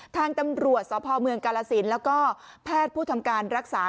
ทางตำรวจสพเมืองกาลสินแล้วก็แพทย์ผู้ทำการรักษา